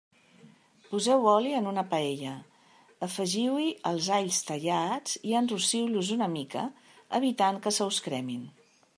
Poseu oli en una paella, afegiu-hi els alls tallats i enrossiu-los una mica, evitant que se us cremin.